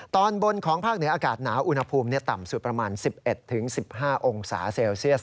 ตอนบนของภาคเหนืออากาศหนาวอุณหภูมิต่ำสุดประมาณ๑๑๑๕องศาเซลเซียส